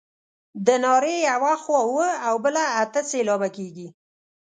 د نارې یوه خوا اووه او بله اته سېلابه کیږي.